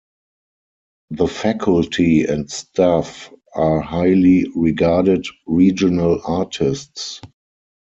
The faculty and staff are highly regarded regional artists.